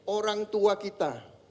orang tua kita